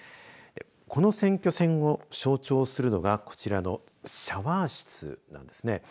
この選挙戦を象徴するのが、こちらのシャワー室なんですね。